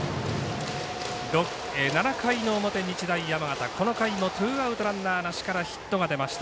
７回の表、日大山形この回ツーアウトランナーなしからヒットが出ました。